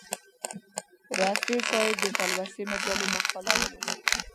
رفیع صاحب د تلوسې مجلې مقاله ولوستله.